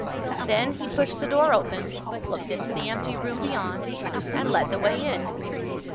Then he pushed the door open, looked into the empty room beyond, and led the way in.